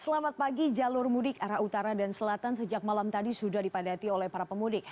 selamat pagi jalur mudik arah utara dan selatan sejak malam tadi sudah dipadati oleh para pemudik